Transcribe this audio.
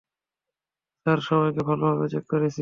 Sir, সবাইকে ভালোভাবে check করেছি।